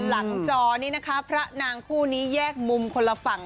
จอนี้นะคะพระนางคู่นี้แยกมุมคนละฝั่ง